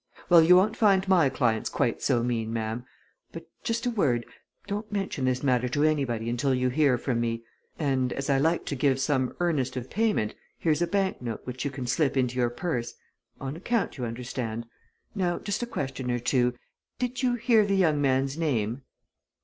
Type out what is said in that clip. "Well, you won't find my clients quite so mean, ma'am. But just a word don't mention this matter to anybody until you hear from me. And as I like to give some earnest of payment here's a bank note which you can slip into your purse on account, you understand. Now, just a question or two: Did you hear the young man's name?"